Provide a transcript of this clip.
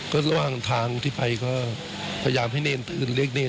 ก็ระหว่างทางที่ไปก็พยายามให้เนรอื่นเรียกเนร